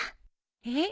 えっ？